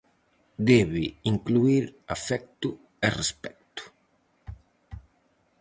Debe incluír afecto e respecto.